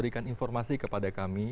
p stations terbaik